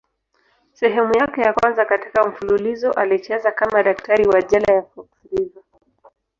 Sehemu yake ya kwanza katika mfululizo alicheza kama daktari wa jela ya Fox River.